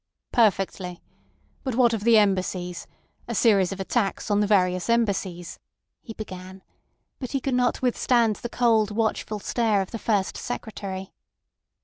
"Perfectly. But what of the Embassies? A series of attacks on the various Embassies," he began; but he could not withstand the cold, watchful stare of the First Secretary.